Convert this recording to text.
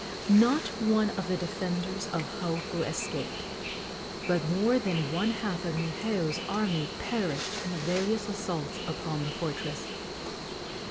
Not one of the defenders of Haupu escaped, but more than one half of Niheu's army perished in the various assaults upon the fortress.